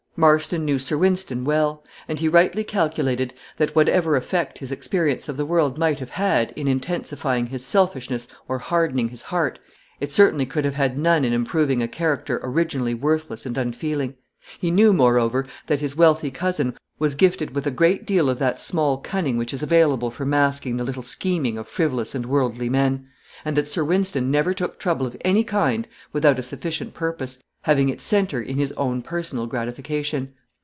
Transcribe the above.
Marston knew Sir Wynston well; and he rightly calculated that whatever effect his experience of the world might have had in intensifying his selfishness or hardening his heart, it certainly could have had none in improving a character originally worthless and unfeeling. He knew, moreover, that his wealthy cousin was gifted with a great deal of that small cunning which is available for masking the little scheming of frivolous and worldly men; and that Sir Wynston never took trouble of any kind without a sufficient purpose, having its center in his own personal gratification.